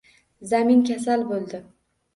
Zamin kasal bo’ldi